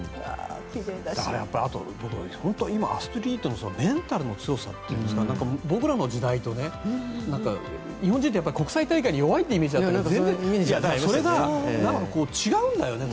あと、今、アスリートの人メンタルの強さっていうか僕らの時代と日本人って国際大会に弱いというイメージがあってそれが、違うんだよね。